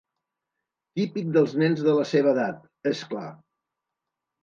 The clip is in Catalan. Típic dels nens de la seva edat, és clar.